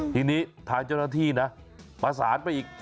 ทีนี้ทางเจ้าหน้าที่นะประสานไปอีก